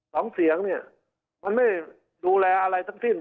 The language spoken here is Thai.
สองเสียงเนี่ยมันไม่ดูแลอะไรทั้งสิ้น